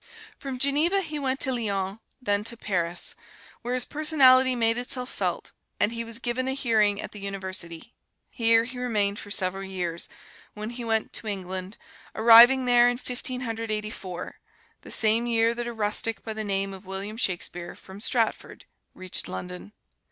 From Geneva he went to Lyons, then to Paris, where his personality made itself felt, and he was given a hearing at the University. Here he remained for several years, when he went to England, arriving there in Fifteen Hundred Eighty four, the same year that a rustic by the name of William Shakespeare, from Stratford, reached London.